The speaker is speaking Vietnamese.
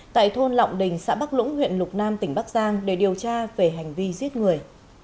tại thôn lọng đình xã bắc lũng huyện lục nam tỉnh bắc giang để điều tra về hành vi giết người